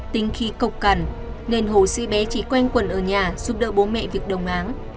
tính khí cộc cằn nên hồ sĩ bé chỉ quen quần ở nhà giúp đỡ bố mẹ việc đồng áng